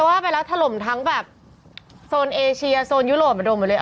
เอาละไปแล้วทะลมทั้งแบบอะเชียโซนยุโรปขณะเดี๋ยวหมดเลย